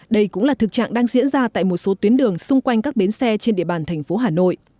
đây cũng là thực trạng đang diễn ra tại một số tuyến đường xung quanh các bến xe trên địa bàn thành phố hà nội